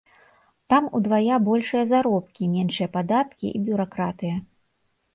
Там удвая большыя заробкі, меншыя падаткі і бюракратыя.